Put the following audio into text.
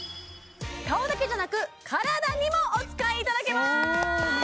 顔だけじゃなく体にもお使いいただけます